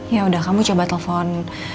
yaudah kamu coba telepon